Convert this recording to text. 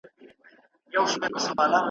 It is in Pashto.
مېله وال د شاله مار یو ګوندي راسي ,